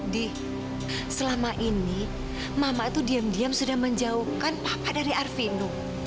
di selama ini mama itu diam diam sudah menjauhkan papa dari arvindo